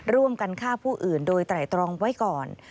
ร่วมกันฆ่าผู้อื่นโดยไตรตรองไว้ก่อน